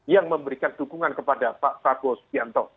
yang memberikan dukungan kepada pak prabowo subianto